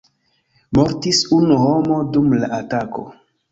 Mortis unu homo dum la atako.